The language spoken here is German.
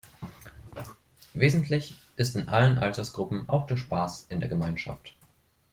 Wesentlich ist in allen Altersgruppen auch der Spaß in der Gemeinschaft.